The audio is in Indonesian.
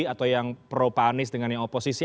atau yang pro panis dengan yang oposisi